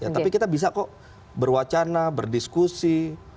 tapi kita bisa kok berwacana berdiskusi